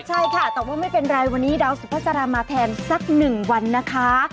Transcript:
ใช่ค่ะแต่ว่าไม่เป็นไรวันนี้ดาวสุภาษารามาแทนสัก๑วันนะคะ